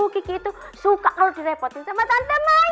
kiki tuh suka kalau direpotin sama tante mayang